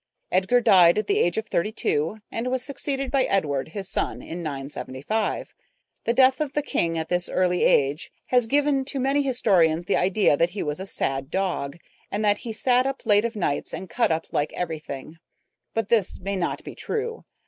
Edgar died at the age of thirty two, and was succeeded by Edward, his son, in 975. The death of the king at this early age has given to many historians the idea that he was a sad dog, and that he sat up late of nights and cut up like everything, but this may not be true.